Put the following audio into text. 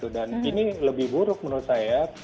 ini lebih buruk menurut saya